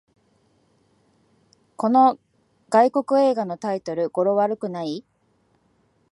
この外国映画のタイトル、語呂悪くない？